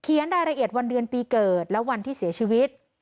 รายละเอียดวันเดือนปีเกิดและวันที่เสียชีวิต